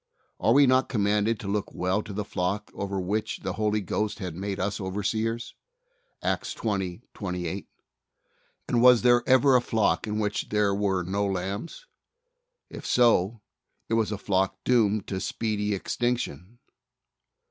Are we not commanded to look well to the flock over which the Holy Ghost hath made us overseers? (Acts 20: 28) and was there ever a flock in which there were no lambs? If so it was a flock doomed to speedy extinction.